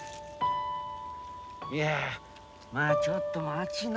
いやまあちょっと待ちな。